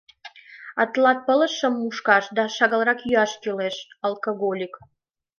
А тылат пылышым мушкаш да шагалрак йӱаш кӱлеш......алкоголик.